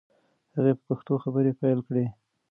هغې په پښتو خبرې پیل کړې.